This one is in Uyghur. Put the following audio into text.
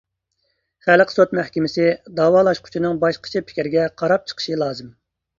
خەلق سوت مەھكىمىسى دەۋالاشقۇچىنىڭ باشقىچە پىكرىگە قاراپ چىقىشى لازىم.